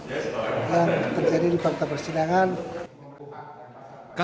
yang terjadi di fakta persidangan